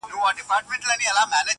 • سم اتڼ یې اچولی موږکانو,